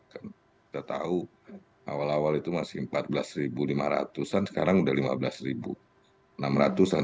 kita tahu awal awal itu masih empat belas ribu lima ratus an sekarang sudah lima belas ribu enam ratus an